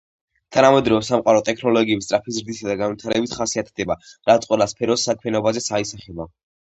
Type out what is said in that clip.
თანამედროვე სამყარო ტექნოლოგიების სწრაფი ზრდითა და განვითარებით ხასიათდება, რაც ყველა სფეროს საქმიანობაზეც აისახება